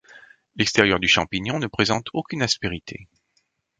L'extérieur du champignon ne présente aucune aspérité.